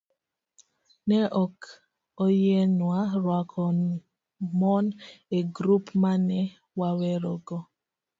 ne ok oyienwa rwako mon e grup ma ne wawerego.